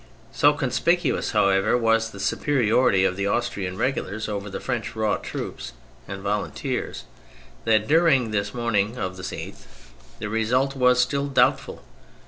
So conspicuous, how ever, was the superiority of the Austrian regulars over the French raw troops and volunteers that during this morning of the 8th the result was still doubtful.